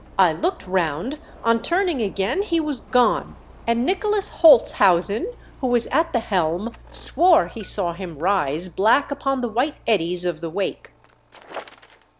I looked round — on turning again he was gone! and Nicholas Houltshausen, who was at the helm, swore, he saw him rise black upon the white eddies of the wake."